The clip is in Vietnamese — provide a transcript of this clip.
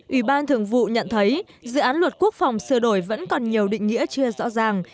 ủy ban thường vụ nhận thấy dự án luật quốc phòng sửa đổi vẫn còn nhiều định nghĩa chưa rõ ràng